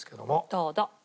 どうぞ。